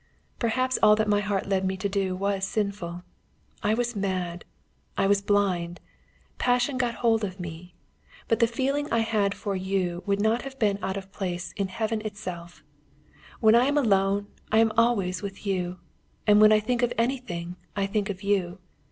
"Perhaps all that my heart led me to do was sinful. I was mad. I was blind. Passion got hold of me; but the feeling I had for you would not have been out of place in heaven itself. When I am alone, I am always with you; and when I think of anything I think of you.